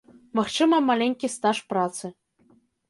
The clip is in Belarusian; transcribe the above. Магчыма, маленькі стаж працы.